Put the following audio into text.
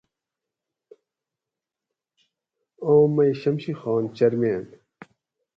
آم مئی شمشی خان چئیرمین